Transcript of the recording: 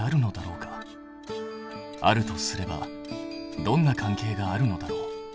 あるとすればどんな関係があるのだろう？